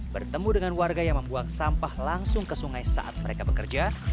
bertemu dengan warga yang membuang sampah langsung ke sungai saat mereka bekerja